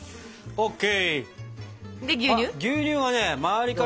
ＯＫ。